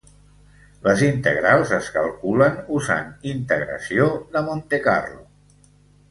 Les integrals es calculen usant integració de Montecarlo.